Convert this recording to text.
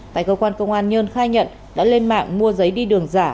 tại cơ quan công an nhân khai nhận đã lên mạng mua giấy đi đường giả